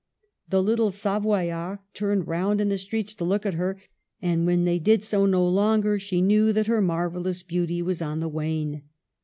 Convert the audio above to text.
The little Savoyards turned round in the streets to look at her, and when they did so no longer she knew that her marvellous beauty was on the wane.